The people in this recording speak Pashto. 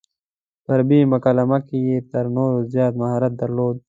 په عربي مکالمه کې یې تر نورو زیات مهارت درلود.